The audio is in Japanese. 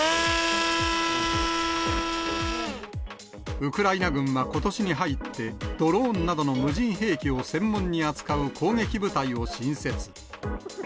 ウクライナ軍はことしに入って、ドローンなどの無人兵器を専門に扱う攻撃部隊を新設。